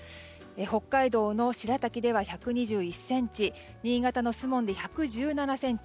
北海道の白滝では１２１ｃｍ新潟の守門で１１７ｃｍ